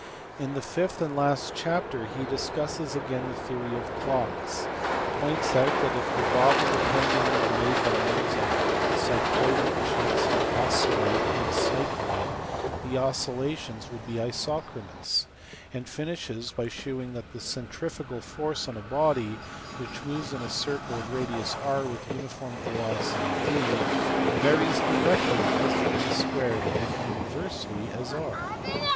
In the fifth and 304 MATHEMATICS FROM DESCARTES TO HUYGENS. last chapter he discusses again the theory of clocks, points out that if the bob of the pendulum were made by means of cy cloidal checks to oscillate in a cycloid the oscillations would be isochronous ; and finishes by shewing that the centrifugal force on a body which moves in a circle of radius r with a uniform velocity v varies directly as v 2 and inversely as r.